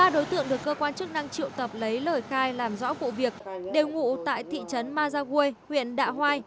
ba đối tượng được cơ quan chức năng triệu tập lấy lời khai làm rõ vụ việc đều ngụ tại thị trấn mazawe huyện đạ hoai